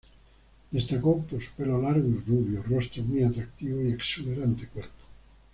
Destacó por su pelo largo y rubio, rostro muy atractivo y exuberante cuerpo.